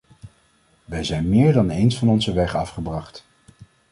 Wij zijn meer dan eens van onze weg afgebracht.